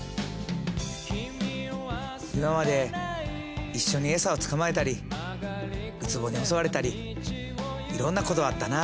今まで一緒にエサを捕まえたりウツボに襲われたりいろんなことがあったな。